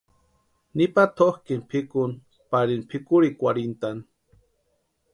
Nipa tʼoktini pʼikuni parini pʼikurhikwarhintʼani.